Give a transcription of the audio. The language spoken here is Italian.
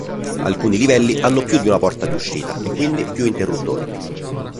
Alcuni livelli hanno più di una porta di uscita e quindi più interruttori.